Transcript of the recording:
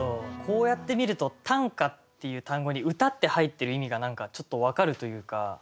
こうやって見ると「短歌」っていう単語に「歌」って入ってる意味が何かちょっと分かるというか。